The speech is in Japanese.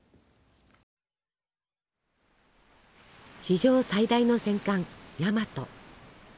史上最大の戦艦「大和」。